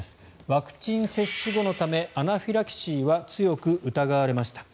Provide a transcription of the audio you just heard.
ワクチン接種後のためアナフィラキシーは強く疑われました。